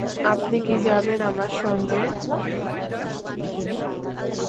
আপনি কি যাবেন আমার সঙ্গে?